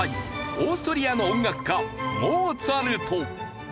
オーストリアの音楽家モーツァルト。